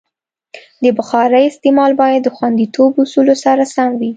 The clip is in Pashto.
د بخارۍ استعمال باید د خوندیتوب اصولو سره سم وي.